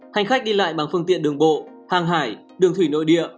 hành khách đi lại bằng phương tiện đường bộ hàng hải đường thủy nội địa